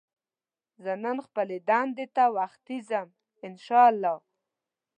زه نن خپلې دندې ته وختي ځم ان شاءالله